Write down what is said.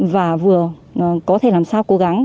và vừa có thể làm sao cố gắng